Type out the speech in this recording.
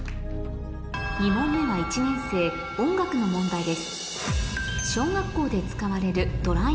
２問目は１年生音楽の問題です